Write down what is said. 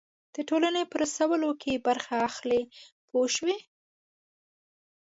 د ټولنې په رسولو کې برخه اخلي پوه شوې!.